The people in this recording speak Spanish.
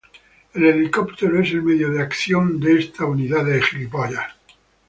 El helicóptero es el medio de acción de esta Unidad.